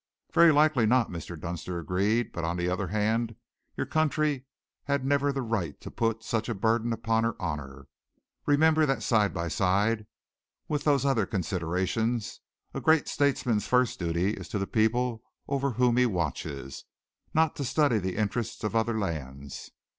"Very likely not," Mr. Dunster agreed, "but, on the other hand, your country had never the right to put such a burden upon her honour. Remember that side by side with those other considerations, a great statesman's first duty is to the people over whom he watches, not to study the interests of other lands.